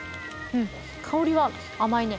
香りは甘いね。